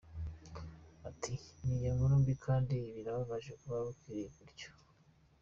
Ati “Iyo ni inkuru mbi kandi birababaje kuba wakiriwe utyo.